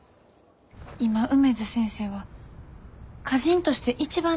今梅津先生は歌人として一番大事な時期です。